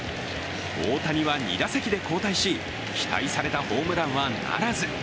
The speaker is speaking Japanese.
大谷は、２打席で交代し、期待されたホームランはならず。